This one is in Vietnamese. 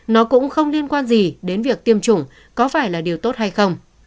nó cũng không liên quan gì đến việc tiêm chủng có phải là điều tốt hay không